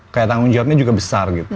kayak tanggung jawabnya juga besar gitu